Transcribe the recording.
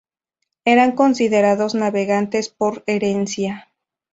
Eran considerados navegantes por herencia.